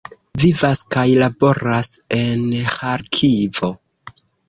Vivas kaj laboras en Ĥarkivo.